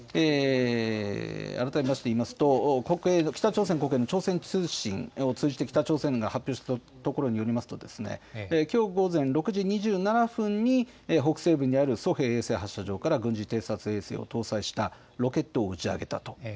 改めましていいますと、国営の、北朝鮮国営の朝鮮通信を通じて、北朝鮮が発表したところによりますとですね、きょう午前６時２７分に、北西部にあるソヘ衛星発射場から軍事偵察衛星を搭載したロケットを打ち上げたと。